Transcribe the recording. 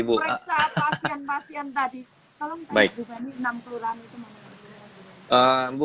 tolong tanya bu bani enam kelurahan itu mana saja